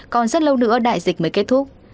còn rất lâu nữa đại dịch mới kết thúc